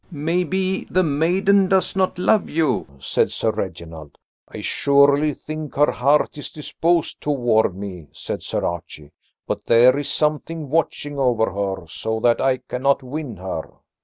"Maybe the maiden does not love you?" said Sir Reginald. "I surely think her heart is disposed toward me," said Sir Archie; "but there is something watching over her, so that I cannot win her."